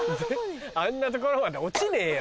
あんな所まで落ちねえよ！